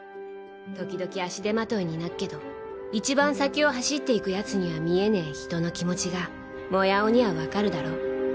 「時々足手まといになっけど一番先を走って行く奴には見えねぇ人の気持ちがモヤオにはわかるだろ」